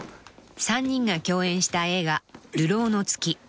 ［３人が共演した映画『流浪の月』］